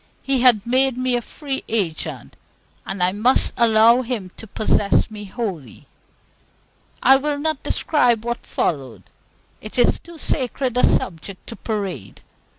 He had made me a free agent, and I must allow Him to possess me wholly. I will not describe what followed. It is too sacred a subject to parade.